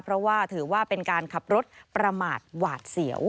เพราะว่าถือว่าเป็นการขับรถประมาทหวาดเสียว